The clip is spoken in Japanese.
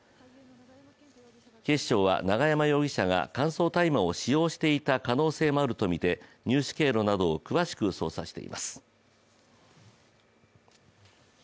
警視庁は永山容疑者が乾燥大麻を使用していた可能性もあるとみて入手経路などを詳しく捜査しています。